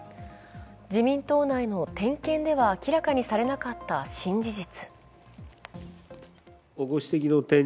自民党内での点検では明らかにされなかった新事実。